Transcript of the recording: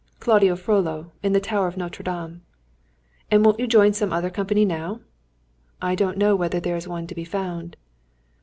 "Claude Frolló in the Tower of Notre Dame." "And won't you join some other company now?" "I don't know whether there is one to be found."